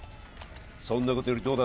そんなことよりどうだ